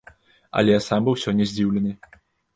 Але я сам быў сёння здзіўлены.